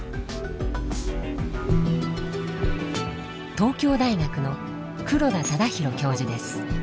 東京大学の黒田忠広教授です。